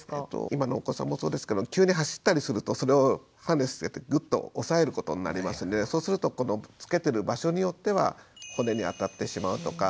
今のお子さんもそうですけど急に走ったりするとそれをハーネスでグッと押さえることになりますんでそうするとつけてる場所によっては骨に当たってしまうとか。